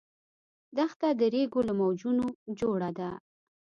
دښته د ریګو له موجونو جوړه ده.